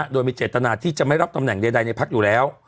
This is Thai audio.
โดยมีเจตนาที่จะไม่รับตำแหน่งใดในพักอยู่แล้ว